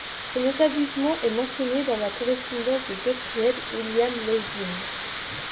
Son établissement est mentionné dans la correspondance de Gottfried Wilhelm Leibniz.